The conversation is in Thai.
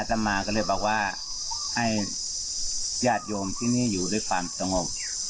ตามมาก็เลยบอกว่าให้ญาติโยมที่นี่อยู่ด้วยความสงบ